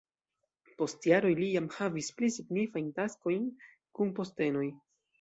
Post jaroj li jam havis pli signifajn taskojn kun postenoj.